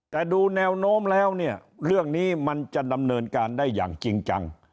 แต่ดูแนวโน้มแล้วเนี่ยเรื่องนี้มันจะดำเนินการได้อย่างจริงจัง